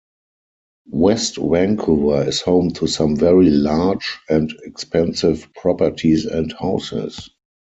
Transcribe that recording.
West Vancouver is home to some very large and expensive properties and houses.